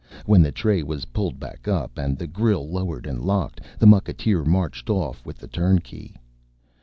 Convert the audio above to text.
When the tray was pulled back up and the grille lowered and locked, the mucketeer marched off with the turnkey.